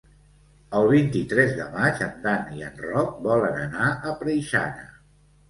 El vint-i-tres de maig en Dan i en Roc volen anar a Preixana.